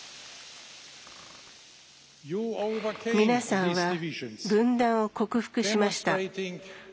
皆さんは、分断を克服しました。